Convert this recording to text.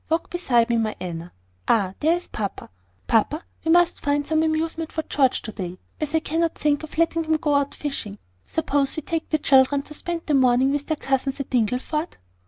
Walk beside me, my Anna. Ah! there is papa. Papa, we must find some amusement for George today, as I cannot think of letting him go out fishing. Suppose we take the children to spend the morning with their cousins at Dingleford?"